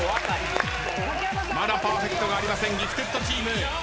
まだパーフェクトがありませんギフテッドチーム。